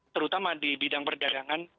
terutama di bidang perdagangan